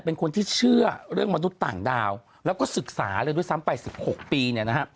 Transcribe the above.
เป็นคนที่เชื่อเรื่องมนุษย์ต่างดาวแล้วก็ศึกษาเลยด้วยซ้ำไป๑๖ปี